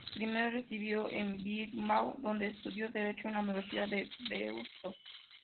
Primero residió en Bilbao, donde estudió Derecho en la Universidad de Deusto.